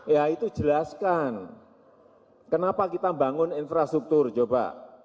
ya itu jelaskan kenapa kita membangun infrastruktur coba